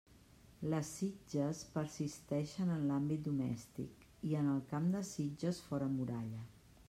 Les sitges persisteixen en l'àmbit domèstic i en el camp de sitges fora muralla.